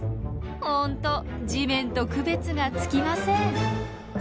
ほんと地面と区別がつきません。